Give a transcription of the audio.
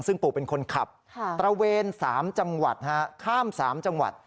ซึ่งปู่เป็นคนขับตระเวน๓จังหวัดข้าม๓จังหวัด